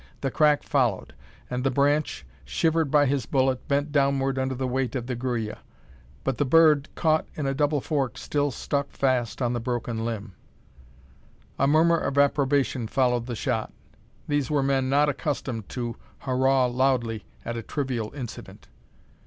The crack followed; and the branch, shivered by his bullet, bent downward under the weight of the gruya. But the bird, caught in a double fork, still stuck fast on the broken limb. A murmur of approbation followed the shot. These were men not accustomed to hurrah loudly at a trivial incident.